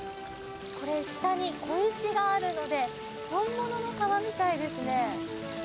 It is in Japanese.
これ、下に小石があるので、本物の川みたいですね。